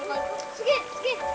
すげえすげえ。